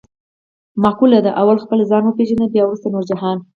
مقوله ده: اول خپل ځان و پېژنه بیا ورسته نور جهان.